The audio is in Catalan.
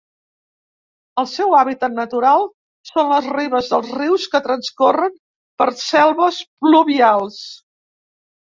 El seu hàbitat natural són les ribes dels rius que transcorren per selves pluvials.